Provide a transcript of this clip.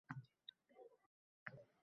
Ayniqsa begona ko’chalar bo’ylab.